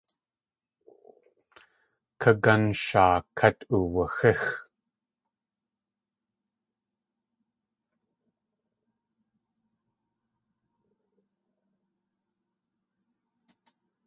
Kagán shaa kát uwaxíx.